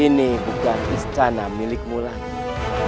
ini bukan istana milikmu lagi